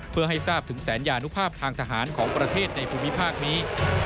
เพื่อให้ทราบถึงแสนยานุภาพทางทหารของประเทศในภูมิภาคนี้